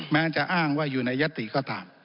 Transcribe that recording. แม้จะอ้างว่าอยู่ในยติก็ตาม